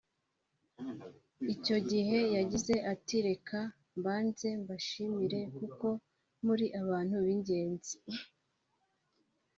Icyo gihe yagize ati “Reka mbanze mbashimire kuko muri abantu b’ingenzi